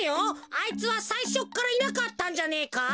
あいつはさいしょからいなかったんじゃねえか？